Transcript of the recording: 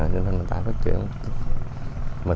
cho nên là tạo phát triển quá mạnh